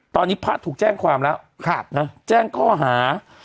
ตอนนี้พระถูกแจ้งความแล้วแจ้งข้อหา